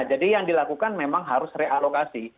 jadi yang dilakukan memang harus realokasi